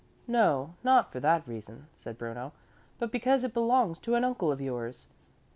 "No, not for that reason," said Bruno, "but because it belongs to an uncle of yours."